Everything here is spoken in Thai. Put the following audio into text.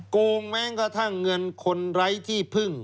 โกงแม้งกระทั่งเงินคนไร้ที่พึ่ง